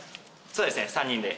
そうですね３人で。